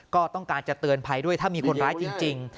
ก็ต้องการจะเตือนภัยด้วยถ้ามีคนร้ายจริง